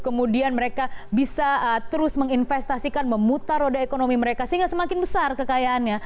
kemudian mereka bisa terus menginvestasikan memutar roda ekonomi mereka sehingga semakin besar kekayaannya